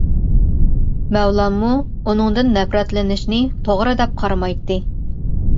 مەۋلانمۇ ئۇنىڭدىن نەپرەتلىنىشنى توغرا دەپ قارىمايتتى.